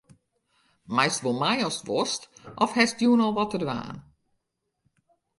Meist wol mei ast wolst of hast fan 'e jûn al wat te dwaan?